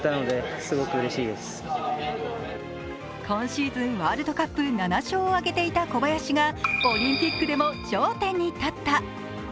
今シーズン、ワールドカップ７勝を挙げていた小林がオリンピックでも頂点に立った。